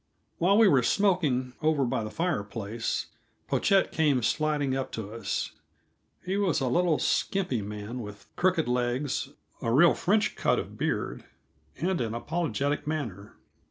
While we were smoking, over by the fireplace, Pochette came sidling up to us. He was a little skimpy man with crooked legs, a real French cut of beard, and an apologetic manner.